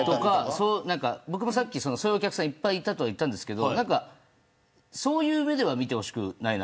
僕もさっき、そういうお客さんいっぱいいたとは言ったんですけれどそういう目では見てほしくない。